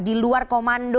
di luar komando